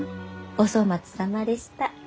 お粗末さまでした。